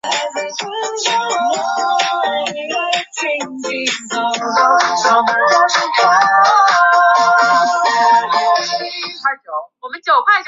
你知不知道你这是在玩火